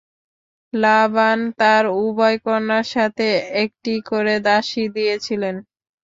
লাবান তাঁর উভয় কন্যার সাথে একটি করে দাসী দিয়েছিলেন।